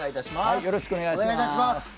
よろしくお願いします。